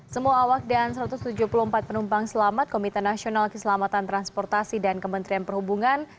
semua awak dan satu ratus tujuh puluh empat penumpang selamat komite nasional keselamatan transportasi dan kementerian perhubungan